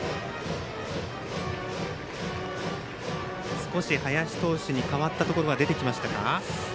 少し投手に変わったところが出てきましたか。